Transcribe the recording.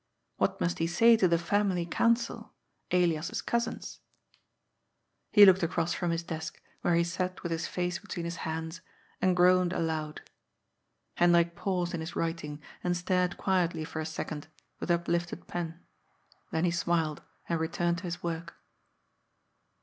What must he say to the family council, Elias's cousins ? He looked across from his desk, where he sat with his face between his hands, and groaned aloud. Hendrik paused in his writing, and stared quietly for a second, with uplifted pen, then he smiled, and returned to his work.